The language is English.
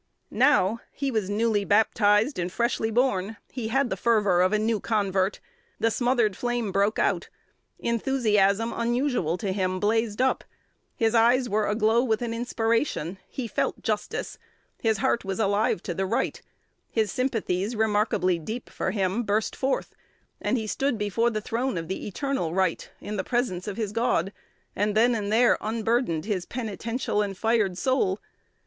Now he was newly baptized and freshly born: he had the fervor of a new convert; the smothered flame broke out; enthusiasm unusual to him blazed up; his eyes were aglow with an inspiration; he felt justice; his heart was alive to the right; his sympathies, remarkably deep for him, burst forth, and he stood before the throne of the eternal Right, in presence of his God, and then and there unburdened his penitential and fired soul.